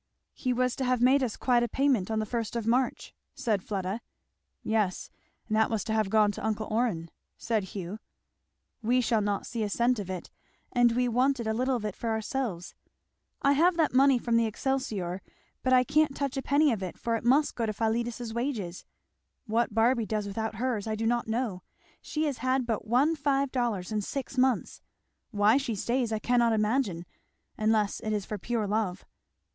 "He was to have made us quite a payment on the first of March," said Fleda. "Yes, and that was to have gone to uncle Orrin," said Hugh. "We shall not see a cent of it. And we wanted a little of it for ourselves. I have that money from the Excelsior, but I can't touch a penny of it for it must go to Philetus's wages. What Barby does without hers I do not know she has had but one five dollars in six months. Why she stays I cannot imagine; unless it is for pure love."